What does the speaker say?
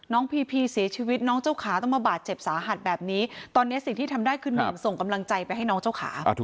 พีพีเสียชีวิตน้องเจ้าขาต้องมาบาดเจ็บสาหัสแบบนี้ตอนนี้สิ่งที่ทำได้คือหนึ่งส่งกำลังใจไปให้น้องเจ้าขา